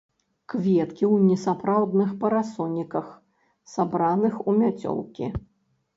Кветкі ў несапраўдных парасоніках, сабраных у мяцёлкі.